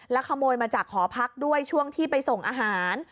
ขโมยมาจากหอพักด้วยช่วงที่ไปส่งอาหาร